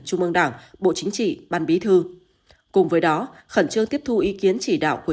trung ương đảng bộ chính trị ban bí thư cùng với đó khẩn trương tiếp thu ý kiến chỉ đạo của